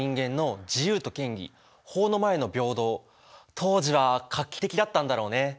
当時は画期的だったんだろうね。